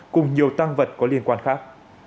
cùng nhiều tăng vật có liên quan khác